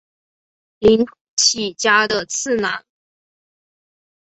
绫崎家的次男。